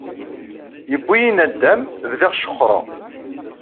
Yewwi-yi nadam, bdiɣ jexxreɣ.